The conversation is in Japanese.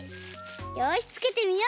よしつけてみようっと！